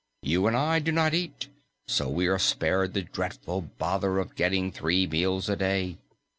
You and I do not eat, and so we are spared the dreadful bother of getting three meals a day.